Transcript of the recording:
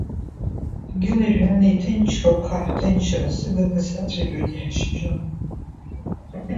Дгьыли-жәҩани ҭынчроуп хаҳәҭынчра, сыгага сацәажәоит иахьа шьыбжьон.